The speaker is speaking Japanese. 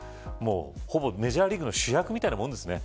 ほぼメジャーリーグの主役みたいなもんですね。